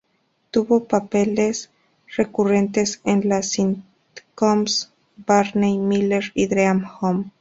Tuvo papeles recurrentes en las sitcoms "Barney Miller" y "Dream On".